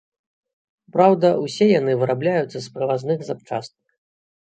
Праўда, усе яны вырабляюцца з прывазных запчастак.